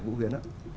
vũ huyến ạ